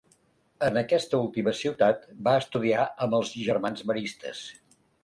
En aquesta última ciutat va estudiar amb els Germans Maristes.